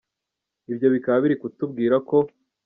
Ibyo bikaba biri kutubwira ko :.